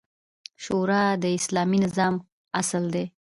شورا د اسلامي نظام اصل دی